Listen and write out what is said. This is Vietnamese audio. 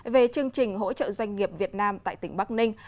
về chương trình hỗ trợ doanh nghiệp việt nam tại tỉnh bắc ninh